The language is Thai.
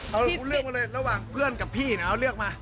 เอาเลยคุณเลือกมาเลยระหว่างเพื่อนกับพี่แล้วเลือกมา